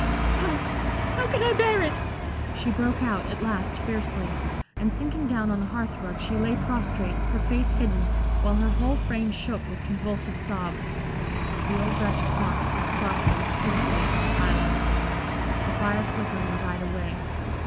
"How how can I bear it?" she broke out, at last, fiercely, and sinking down on the hearth rug, she lay prostrate, her face hidden, while her whole frame shook with convulsive sobs. The old Dutch clock ticked softly, pitifully, in the silence; the fire flickered and died away.